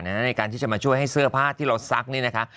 ในการที่จะมาช่วยให้เสื้อผ้าที่เราซักนี่นะคะ